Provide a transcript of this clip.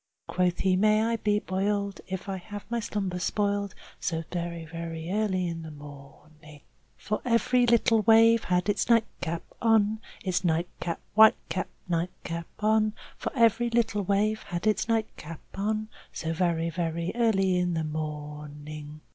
Quoth he, "May I be boiled, if I'll have my slumber spoiled, So very, very early in the morning!" Chorus For every little wave has its nightcap on, Its nightcap, white cap, nightcap on, For every little wave has its nightcap on, So very, very early in the morning.